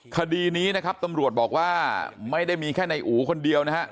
คดีนี้นะครับตำรวจบอกว่าไม่ได้มีแค่ในอู๋คนเดียวนะฮะ